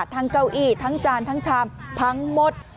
เก้าอี้ทั้งจานทั้งชามพังหมด